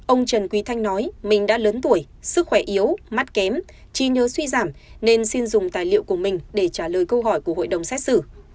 ông trần quý thanh nói mình đã lớn tuổi sức khỏe yếu mắt kém trí nhớ suy giảm nên xin dùng tài liệu của mình để trả lời câu hỏi của hội đồng xét xử